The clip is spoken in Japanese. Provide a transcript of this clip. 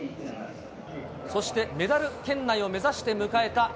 そしてメダル圏内を目指して迎えた